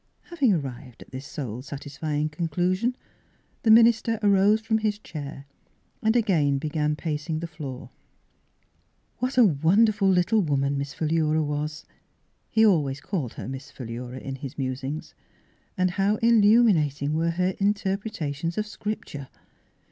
Having arrived at this soul satisfying conclusion, the minister arose from his chair and again began pacing the floor, Miss Fhilura's Wedding Gown What a wonderful little woman Miss Philura was (he always called her Miss Philura in his musings) and how illumina ting were her interpretations of Scripture.